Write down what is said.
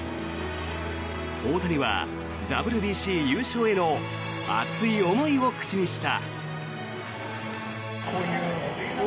大谷はＷＢＣ優勝への熱い思いを口にした。